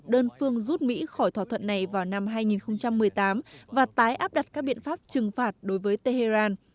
đơn phương rút mỹ khỏi thỏa thuận này vào năm hai nghìn một mươi tám và tái áp đặt các biện pháp trừng phạt đối với tehran